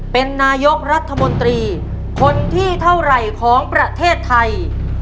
เป็นนายกรัฐมนตรีคนที่เท่าไหร่ของประเทศไทย